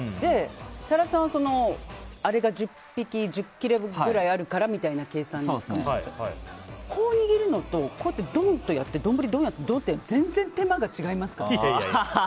設楽さんはあれが１０切れぐらいあるからみたいな計算だったんですけどこう握るのとドンってやって丼をやるのって全然手間が違いますから。